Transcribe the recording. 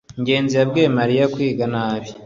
ngenzi yabwiye mariya kwiga nabi